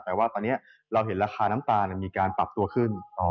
แต่ว่าตอนนี้เราเห็นราคาน้ำตาลมีการปรับตัวขึ้น